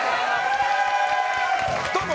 どうも！